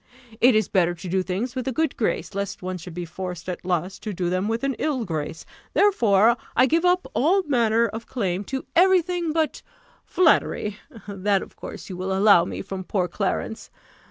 It is better to do things with a good grace, lest one should be forced at last to do them with an ill grace. Therefore I give up all manner of claim to every thing but flattery! that of course you will allow me from poor Clarence.